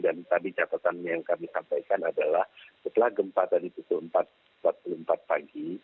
dan tadi catatannya yang kami sampaikan adalah setelah gempa tadi pukul empat empat puluh empat pagi